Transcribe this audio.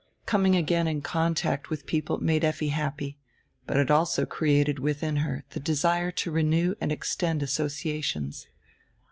Coming again in contact with people made Effi happy, but it also created within her die desire to renew and extend associations.